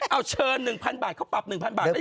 เอาเชิญ๑๐๐๐บาทเขาปรับ๑๐๐๐บาทได้ยังไงต่อ